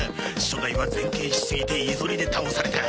初代は前傾しすぎて居反りで倒された。